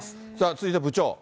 続いて部長。